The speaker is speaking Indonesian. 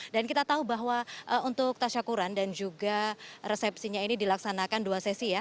dan kita tahu bahwa untuk tasya kuran dan juga resepsinya ini dilaksanakan dua sesi ya